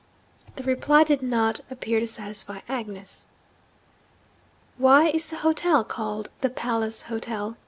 The reply did not appear to satisfy Agnes. 'Why is the hotel called the "Palace Hotel"?'